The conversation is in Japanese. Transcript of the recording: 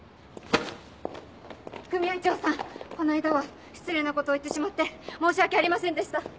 組合長さんこの間は失礼なことを言ってしまって申し訳ありませんでした。